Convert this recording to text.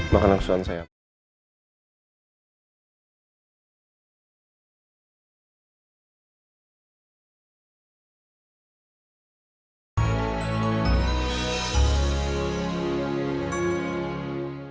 makanan kesuan saya apa